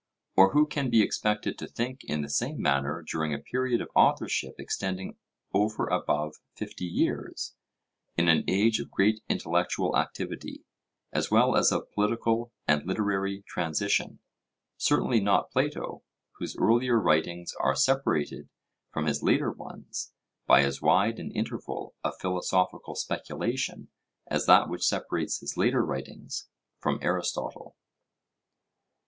Or who can be expected to think in the same manner during a period of authorship extending over above fifty years, in an age of great intellectual activity, as well as of political and literary transition? Certainly not Plato, whose earlier writings are separated from his later ones by as wide an interval of philosophical speculation as that which separates his later writings from Aristotle.